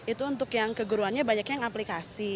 itu untuk yang keguruannya banyak yang aplikasi